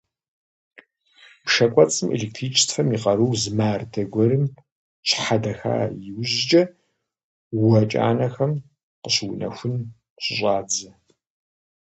Пшэ кӏуэцӏым электричествэм и къарур зы мардэ гуэрым щхьэдэха иужькӏэ, уэ кӏанэхэм къыщыунэхун щыщӏадзэ.